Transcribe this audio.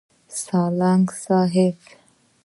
سالک صیب.